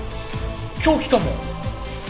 凶器かも。